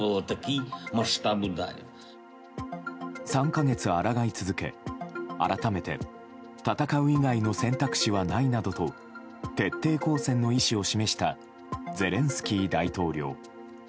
３か月あらがい続け、改めて戦う以外の選択肢はないなどと徹底抗戦の意思を示したゼレンスキー大統領。